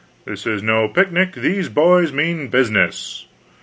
This is no pic nic, these boys mean busine&s.